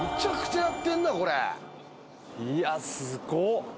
・いやすごっ。